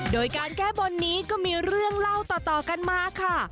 โดยการแก้บนนี้ก็มีเรื่องเล่าต่อกันมาค่ะ